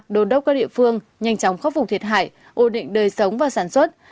đồn đốc các địa phương nhanh chóng khắc phục thiệt hại ổn định đời sống và sản xuất